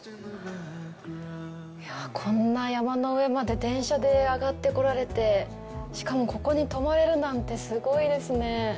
こんな山の上まで電車で上がってこられてしかも、ここに泊まれるなんてすごいですね。